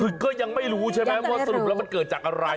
คือก็ยังไม่รู้ใช่ไหมว่าสรุปแล้วมันเกิดจากอะไร